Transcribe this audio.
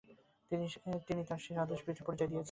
তিনি তার সেই স্বদেশপ্রীতির পরিচয় দিয়েছেন।